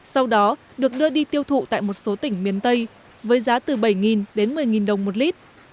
sau đó được đưa đi tiêu thụ tại một số tỉnh miền tây với giá từ bảy đến một mươi đồng một lít